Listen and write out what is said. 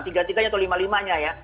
tiga tiganya atau lima limanya ya